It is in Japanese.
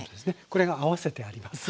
これが合わせてあります。